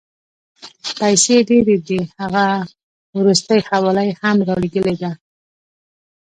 پیسې ډېرې دي، هغه وروستۍ حواله یې هم رالېږلې ده.